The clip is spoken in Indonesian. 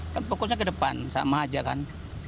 kan fokusnya ke depan sama aja kan